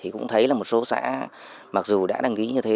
cũng thấy là một số xã mặc dù đã đăng ký như thế